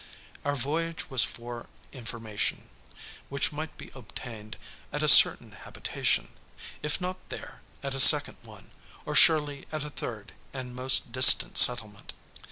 Our voyage was for information, which might be obtained at a certain habitation; if not there, at a second one, or surely at a third and most distant settlement.